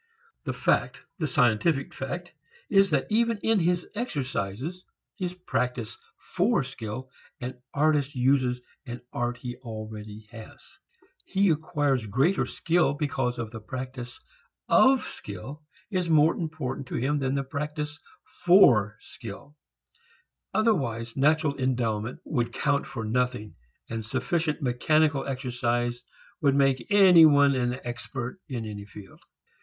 The fact, the scientific fact, is that even in his exercises, his practice for skill, an artist uses an art he already has. He acquires greater skill because practice of skill is more important to him than practice for skill. Otherwise natural endowment would count for nothing, and sufficient mechanical exercise would make any one an expert in any field.